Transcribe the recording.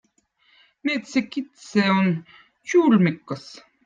mettsekittsi on čülmikkõz